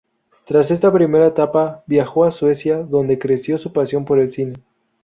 Tras esta primera etapa viajó a Suecia, donde creció su pasión por el cine.